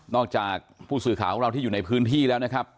จากผู้สื่อข่าวของเราที่อยู่ในพื้นที่แล้วนะครับ